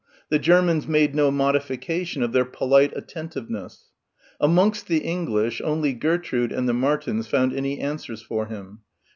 The Germans made no modification of their polite attentiveness. Amongst the English only Gertrude and the Martins found any answers for him.